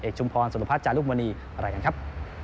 เอกชุมพรสนุพัฒน์จานลูกมณีมาล่ะกันครับ